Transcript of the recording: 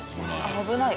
危ない。